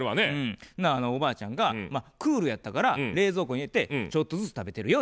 ほなおばあちゃんが「クールやったから冷蔵庫入れてちょっとずつ食べてるよ」